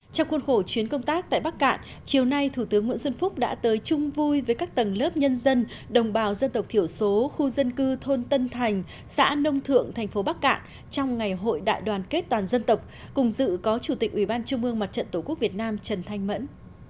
trong khuôn khổ chuyến công tác tại bắc cạn chiều nay thủ tướng nguyễn xuân phúc đã tới chung vui với các tầng lớp nhân dân đồng bào dân tộc thiểu số khu dân cư thôn tân thành xã nông thượng thành phố bắc cạn trong ngày hội đại đoàn kết toàn dân tộc cùng dự có chủ tịch ủy ban trung ương mặt trận tổ quốc việt nam trần thanh mẫn